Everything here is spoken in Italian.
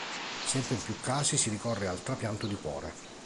Sempre in più casi si ricorre al trapianto di cuore.